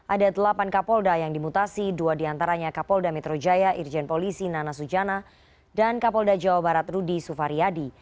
ada delapan kapolda yang dimutasi dua diantaranya kapolda metro jaya irjen polisi nana sujana dan kapolda jawa barat rudy sufariyadi